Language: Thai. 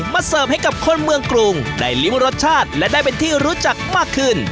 เสิร์ฟให้กับคนเมืองกรุงได้ลิ้มรสชาติและได้เป็นที่รู้จักมากขึ้น